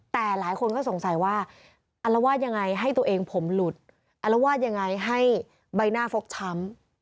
แต่หลายคนก็สงสัยว่าอารวาสยังไงให้ตัวเองผมหลุดอารวาสยังไงให้ใบหน้าฟกช้ำ